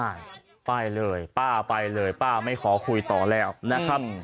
ใช่ไปเลยป้าไปเลยป้าไม่ขอคุยต่อแล้วนะครับ